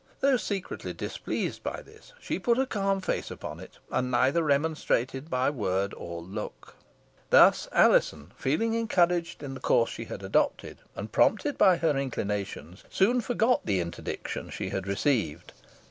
Though secretly displeased by this, she put a calm face upon it, and neither remonstrated by word or look. Thus Alizon, feeling encouraged in the course she had adopted, and prompted by her inclinations, soon forgot the interdiction she had received.